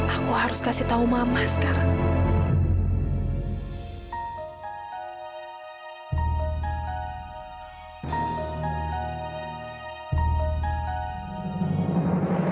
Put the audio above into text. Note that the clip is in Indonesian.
aku harus kasih tahu mama sekarang